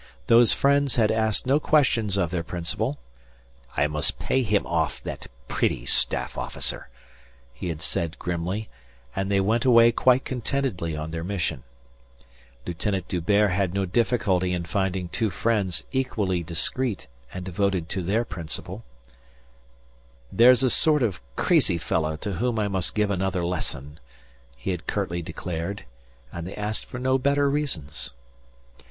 Those friends had asked no questions of their principal. "I must pay him off, that pretty staff officer," he had said grimly, and they went away quite contentedly on their mission. Lieutenant D'Hubert had no difficulty in finding two friends equally discreet and devoted to their principal. "There's a sort of crazy fellow to whom I must give another lesson," he had curtly declared, and they asked for no better reasons.